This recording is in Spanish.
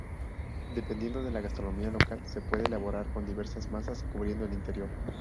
Dependiendo de la gastronomía local se puede elaborar con diversas masas cubriendo el interior.